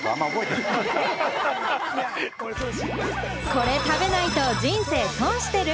これ食べないと人生損してる？